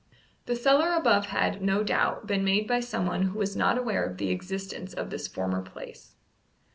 The cellar above had, no doubt, been made by someone who was not aware of the existence of this former place.